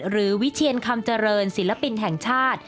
วิเชียนคำเจริญศิลปินแห่งชาติ